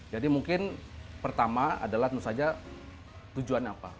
jadi mungkin pertama adalah tentu saja tujuan apa